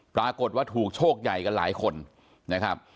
ปรากฏว่าถูกโชคใหญ่กันหลายคนนะครับ